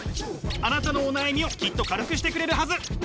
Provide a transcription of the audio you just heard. あなたのお悩みをきっと軽くしてくれるはず。